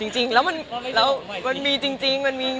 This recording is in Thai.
จริงแล้วมันมีจริง